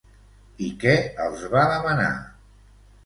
I què els va demanar?